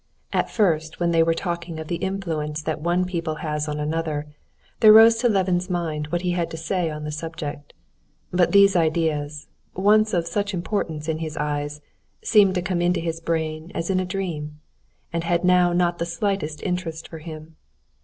At first, when they were talking of the influence that one people has on another, there rose to Levin's mind what he had to say on the subject. But these ideas, once of such importance in his eyes, seemed to come into his brain as in a dream, and had now not the slightest interest for him.